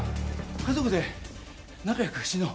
家族で仲良く死のう